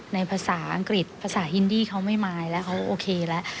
ในภาษาอังกฤษภาษาฮินดี้เขาไม่มายแล้วเขาโอเคแล้ว